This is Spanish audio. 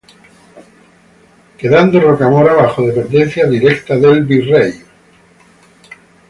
Quedando Rocamora bajo dependencia directa del virrey.